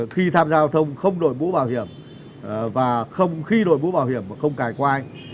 khi tham gia giao thông không đổi mũ bảo hiểm và khi đổi mũ bảo hiểm không cải quan